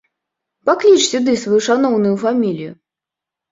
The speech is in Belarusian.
Пакліч сюды сваю шаноўную фамілію.